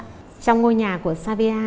trong ngôi nhà của savia